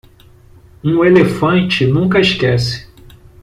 Um elefante nunca esquece.